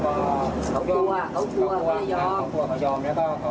นี่มันคือก็อะตกขึ้นค้น